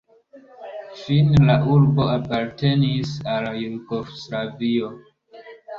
Fine la urbo apartenis al Jugoslavio.